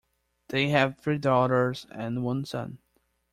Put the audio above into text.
They have three daughters and one son.